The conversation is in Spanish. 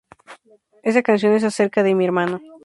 Esa canción es acerca de mi hermano.